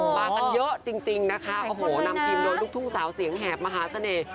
มากันเยอะจริงนะคะโอ้โหนำทีมโดยลูกทุ่งสาวเสียงแหบมหาเสน่ห์